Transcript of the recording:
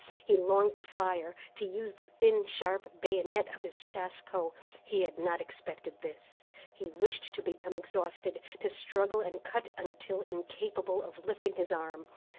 He longed to fire, to use the thin sharp bayonet on his chassepot. He had not expected this. He wished to become exhausted, to struggle and cut until incapable of lifting his arm.